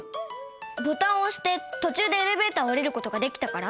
ボタンをおしてとちゅうでエレベーターをおりる事ができたから？